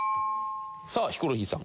さあヒコロヒーさん。